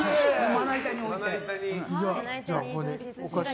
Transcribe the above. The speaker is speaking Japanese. まな板に置いて。